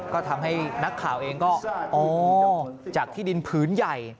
ก็ทำให้นักข่าวเองก็อ๋อจากที่ดินผืนใหญ่